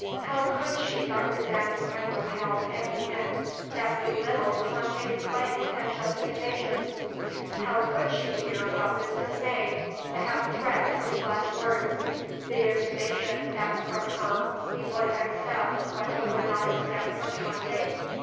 How could she but resent and repell any hint that belittled Tante's claims and justifications? how could she hear but with dismay the half threat of his last words, the intimation that from her he would accept what he would not accept from Tante?